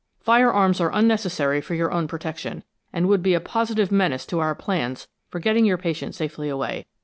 Fire arms are unnecessary for your own protection, and would be a positive menace to our plans for getting your patient safely away.